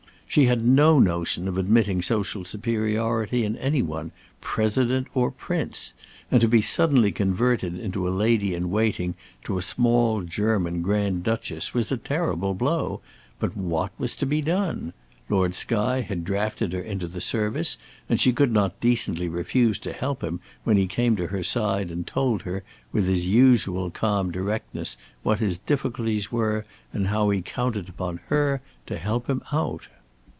She had no notion of admitting social superiority in any one, President or Prince, and to be suddenly converted into a lady in waiting to a small German Grand Duchess, was a terrible blow. But what was to be done? Lord Skye had drafted her into the service and she could not decently refuse to help him when he came to her side and told her, with his usual calm directness, what his difficulties were, and how he counted upon her to help him out.